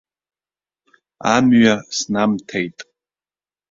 Амҩа снамҭеит.